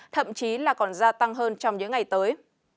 thậm chí là còn gia tăng hơn trong những ngày tới